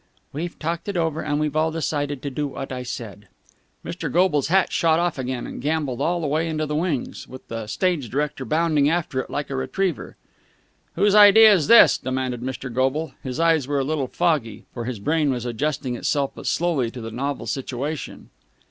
"We've talked it over, and we've all decided to do what I said." Mr. Goble's hat shot off again, and gambolled away into the wings, with the stage director bounding after it like a retriever. "Whose idea's this?" demanded Mr. Goble. His eyes were a little foggy, for his brain was adjusting itself but slowly to the novel situation.